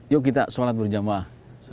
yuk kita solat berjamaah